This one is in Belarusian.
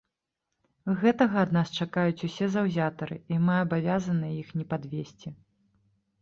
Гэтага ад нас чакаюць усе заўзятары, і мы абавязаныя іх не падвесці.